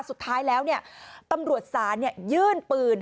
สุดท้ายแล้วตำรวจศาลยื่นปืน